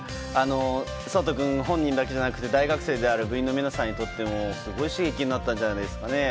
想仁君本人だけじゃなくて大学生である部員の皆さんにとってもすごい刺激になったんじゃないですかね。